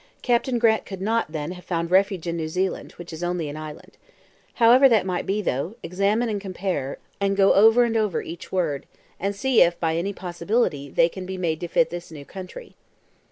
Captain Grant could not, then, have found refuge in New Zealand, which is only an island. However that may be though, examine and compare, and go over and over each word, and see if, by any possibility, they can be made to fit this new country."